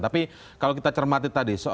tapi kalau kita cermati tadi